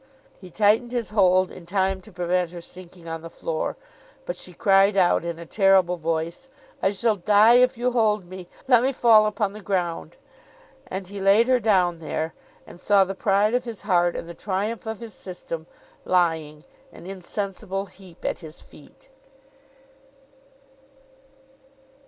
He tightened his hold in time to prevent her sinking on the floor, but she cried out in a terrible voice, 'I shall die if you hold me! Let me fall upon the ground!' And he laid her down there, and saw the pride of his heart and the triumph of his system, lying, an insensible heap, at his feet.